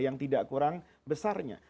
yang tidak kurang besarnya